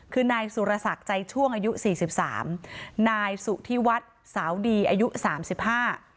คือนายสุรศักดิ์ใจช่วงอายุสี่สิบสามนายสุธิวัฒน์สาวดีอายุสามสิบห้า